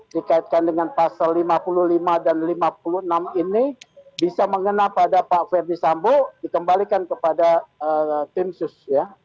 dikaitkan dengan pasal lima puluh lima dan lima puluh enam ini bisa mengena pada pak ferdis sambo dikembalikan kepada tim sus